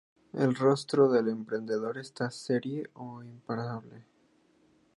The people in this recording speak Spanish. El rostro del emperador está serio e impasible.